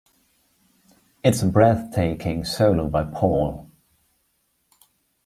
It's a breathtaking solo by Paul.